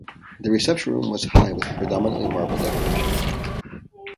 The reception room was high with predominantly marble decorations.